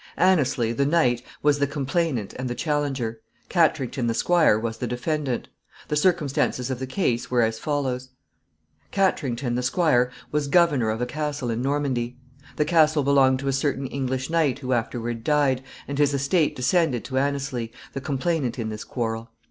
Anneslie, the knight, was the complainant and the challenger. Katrington, the squire, was the defendant. The circumstances of the case were as follows. [Sidenote: Nature of the quarrel.] [Sidenote: Castle lost.] Katrington, the squire, was governor of a castle in Normandy. The castle belonged to a certain English knight who afterward died, and his estate descended to Anneslie, the complainant in this quarrel.